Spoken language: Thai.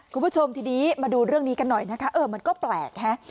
คุณผู้ชมทีนี้มาดูเรื่องนี้กันหน่อยนะคะเออมันก็แปลกฮะ